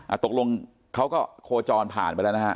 อ้ะตกลงเค้าก็โฆจรผ่านไปแล้วนะครับ